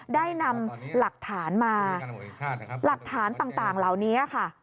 ได้นำหลักฐานมาหลักฐานต่างเหล่านี้ค่ะ